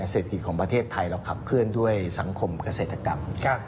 เศรษฐกิจของประเทศไทยเราขับเคลื่อนด้วยสังคมเกษตรกรรม